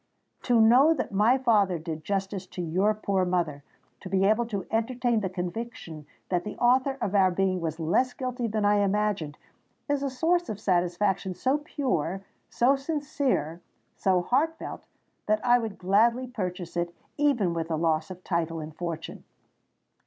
To know that my father did justice to your poor mother—to be able to entertain the conviction that the author of our being was less guilty than I imagined—is a source of satisfaction so pure—so sincere—so heart felt, that I would gladly purchase it even with the loss of title and of fortune!"